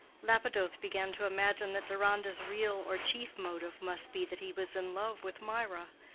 Lapidoth began to imagine that Deronda's real or chief motive must be that he was in love with Mirah.